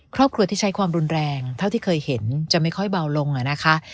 ครอบครัวที่ใช้ความรุนแรงเท่าที่เคยเห็นจะไม่ค่อยเบาลงนะคะ